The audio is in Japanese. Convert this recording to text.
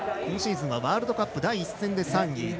今シーズンはワールドカップ第１戦で３位。